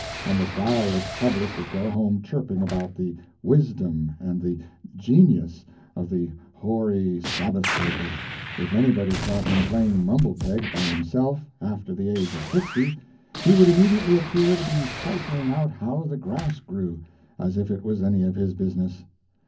And a guileless public would go home chirping about the "wisdom" and the "genius" of the hoary Sabbath breaker. If anybody caught him playing "mumblepeg" by himself, after the age of sixty, he would immediately appear to be ciphering out how the grass grew as if it was any of his business.